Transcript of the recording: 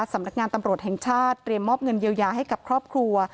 สำนักงานตำรวจแห่งชาติเตรียมมอบเงินเยียวยาให้กับครอบครัว